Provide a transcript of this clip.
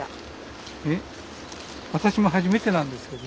私も初めてなんですけど。